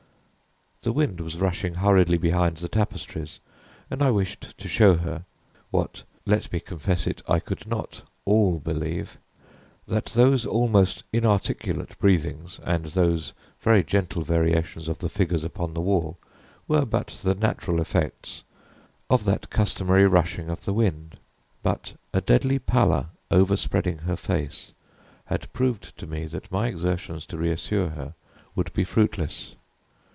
The wind was rushing hurriedly behind the tapestries, and I wished to show her (what, let me confess it, I could not all believe) that those almost inarticulate breathings, and those very gentle variations of the figures upon the wall, were but the natural effects of that customary rushing of the wind. But a deadly pallor, overspreading her face, had proved to me that my exertions to reassure her would be fruitless.